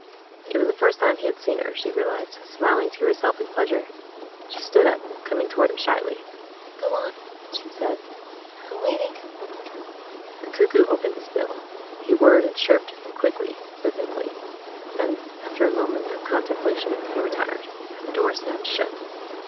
It was the first time he had seen her, she realized, smiling to herself in pleasure. She stood up, coming toward him shyly. "Go on," she said. "I'm waiting." The cuckoo opened his bill. He whirred and chirped, quickly, rhythmically. Then, after a moment of contemplation, he retired. And the door snapped shut.